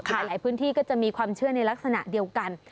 หลายพื้นที่ก็จะมีความเชื่อในลักษณะเดียวกัน